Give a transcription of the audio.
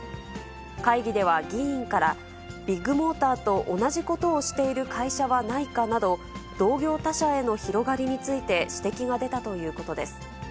会議では、議員から、ビッグモーターと同じことをしている会社はないかなど、同業他社への広がりについて指摘が出たということです。